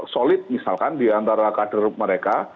solid misalkan diantara kader mereka